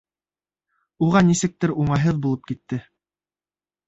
Уға нисектер уңайһыҙ булып китте.